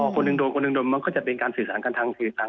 คนหนึ่งโดยคือคนเขียวจะเป็นการสื่อสารทางสื่อออนไลน์